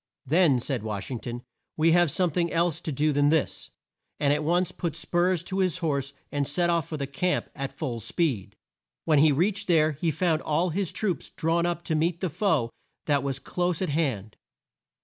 "Then," said Wash ing ton, "we have some thing else to do than this," and at once put spurs to his horse and set off for the camp at full speed. When he reached there he found all his troops drawn up to meet the foe that was close at hand.